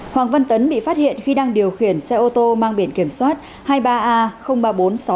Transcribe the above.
hoàng văn tấn bị phát hiện khi đang điều khiển xe ô tô mang biển kiểm soát hai mươi ba a ba nghìn bốn trăm sáu mươi